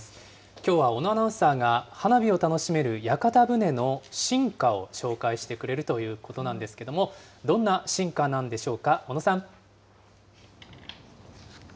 きょうは小野アナウンサーが花火を楽しめる屋形船の進化を紹介してくれるということなんですけども、どんな進化なんでしょう